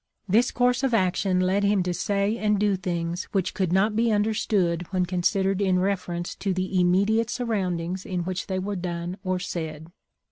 This course of action led him to say and do things which could not be understood when considered in reference to the immediate surroundings in which they were done or said.